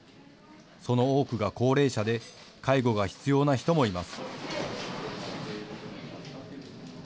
その多くが高齢者で介護が必要な人もいます。